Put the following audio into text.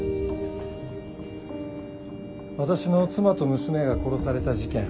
私の妻と娘が殺された事件。